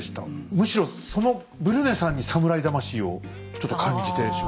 むしろそのブリュネさんに侍魂をちょっと感じてしまいましたね。